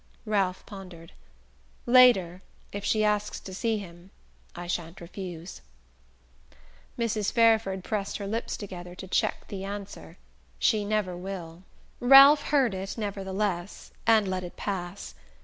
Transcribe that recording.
Ralph pondered. "Later if she asks to see him I shan't refuse." Mrs. Fairford pressed her lips together to check the answer: "She never will!" Ralph heard it, nevertheless, and let it pass.